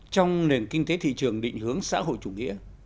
trong nền kinh tế thị trường định hướng xã hội chủ nghĩa